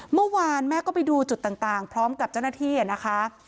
เมื่อวานแม่ก็ไปดูจุดต่างพร้อมกับเจ้าหน้าที่นะคะ